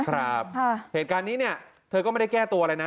เหตุการณ์นี้เนี่ยเธอก็ไม่ได้แก้ตัวอะไรนะ